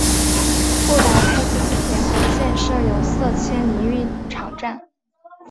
布达佩斯地铁黄线设有塞切尼浴场站。